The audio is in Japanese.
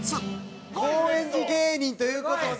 高円寺芸人という事で。